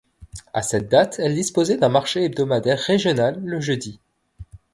À cette date elle disposait d'un marché hebdomadaire régional le jeudi.